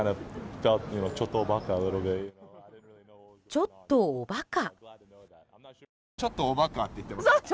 ちょっとおバカ。